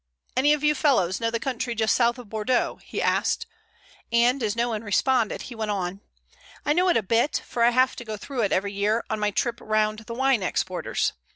"Any of you fellows know the country just south of Bordeaux?" he asked, and, as no one responded, he went on: "I know it a bit, for I have to go through it every year on my trip round the wine exporters.